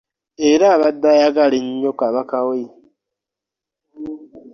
Era abadde ayagala ennyo Kabaka we.